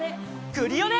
クリオネ！